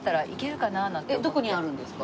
どこにあるんですか？